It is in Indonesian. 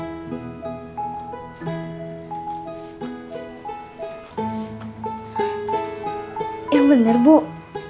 akhirnya gak apa apa ibu terkabut